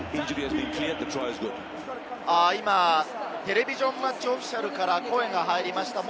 テレビジョン・マッチ・オフィシャルから声が入りました。